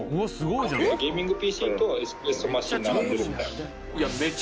ゲーミングＰＣとエスプレッソマシン並んでるみたいな。